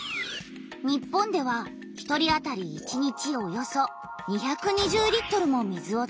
日本では１人あたり１日およそ２２０リットルも水を使っている。